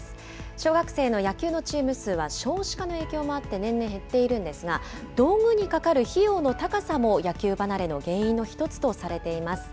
小学生の野球のチーム数は、少子化の影響もあって年々減っているんですが、道具にかかる費用の高さも野球離れの原因の一つとされています。